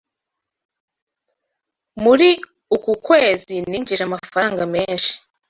Muri uku kwezi ninjije amafaranga menshi.